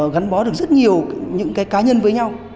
gắn bó được rất nhiều những cái cá nhân với nhau